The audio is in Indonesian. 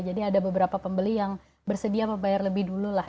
jadi ada beberapa pembeli yang bersedia membayar lebih dululah